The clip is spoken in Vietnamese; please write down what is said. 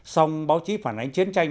sông báo chí phản ánh chiến tranh